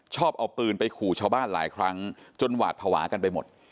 ชอบเอาปืนไปขู่ชาวบ้านหลายครั้งจนหวาดภาวะกันไปหมด